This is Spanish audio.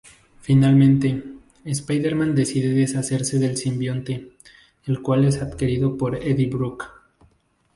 Finalmente, Spider-Man decide deshacerse del simbionte, el cual es adquirido por Eddie Brock.